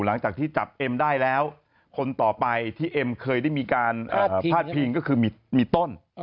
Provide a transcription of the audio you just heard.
หลังจากที่จับเอ็มได้แล้วคนต่อไปที่เอ็มเคยได้มีการพาดพิงก็คือมีต้น